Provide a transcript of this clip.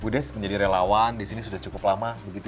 bu des menjadi relawan di sini sudah cukup lama begitu